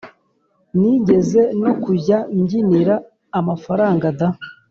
nigeze no kujya mbyinira amafaranga da!